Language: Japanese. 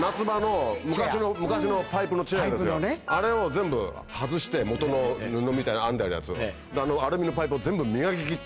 あれを全部外して元の布みたいな編んであるやつを。